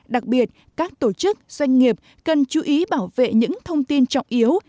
đặc biệt các tổ chức doanh nghiệp cần chú ý bảo vệ những thông tin trọng yếu